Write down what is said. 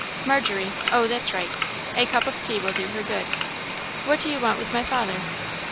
Margery oh, that's right a cup of tea will do her good. What do you want with my father?"